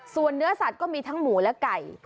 ส่วนเนื้อสัตว์ก็มีทั้งหมูและไก่